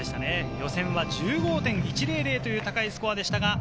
予選は１５．１００という高いスコアでした。